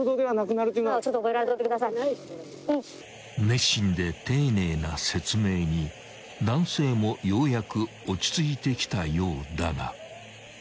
［熱心で丁寧な説明に男性もようやく落ち着いてきたようだが］